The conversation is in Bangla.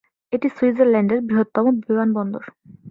এটি সুইজারল্যান্ডের বৃহত্তম বিমানবন্দর।